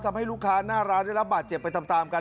ทำให้ลูกค้าหน้าร้านได้รับบาดเจ็บไปตามกัน